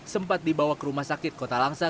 sempat dibawa ke rumah sakit kota langsa